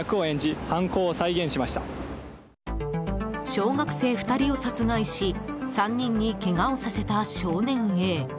小学生２人を殺害し３人にけがをさせた少年Ａ。